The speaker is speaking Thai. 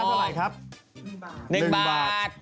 ราคาเท่าไหร่ครับ